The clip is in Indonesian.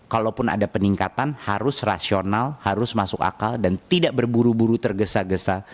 kalaupun ada peningkatan harus rasional harus masuk akal dan tidak berburu buru tergesa gesa